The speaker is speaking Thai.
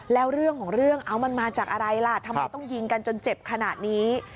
แล้วเรื่องของเรื่องเอามันมาจากอะไรล่ะทำไมต้องยิงกันจนเจ็บขนาดนี้